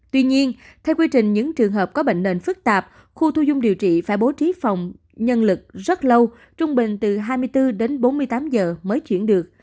tuy nhiên theo quy trình những trường hợp có bệnh nền phức tạp khu thu dung điều trị phải bố trí phòng nhân lực rất lâu trung bình từ hai mươi bốn đến bốn mươi tám giờ mới chuyển được